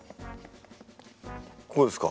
こうですか？